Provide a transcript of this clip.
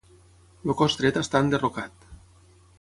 El cos dret està enderrocat.